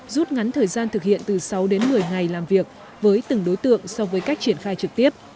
rút ngắn thời gian thực hiện từ sáu đến một mươi ngày làm việc với từng đối tượng so với cách triển khai trực tiếp